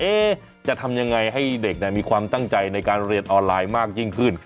จะทำยังไงให้เด็กมีความตั้งใจในการเรียนออนไลน์มากยิ่งขึ้น